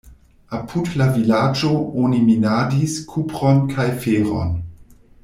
Apud la vilaĝo oni minadis kupron kaj feron.